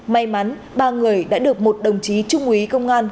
may mắn ba người đã được một đồng chí trung úy công an